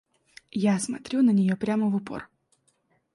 Я смотрю на неё прямо в упор.